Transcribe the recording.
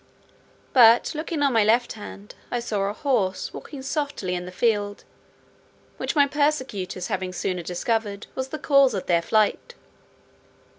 But looking on my left hand, I saw a horse walking softly in the field; which my persecutors having sooner discovered, was the cause of their flight.